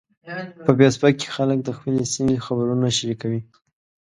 په فېسبوک کې خلک د خپلې سیمې خبرونه شریکوي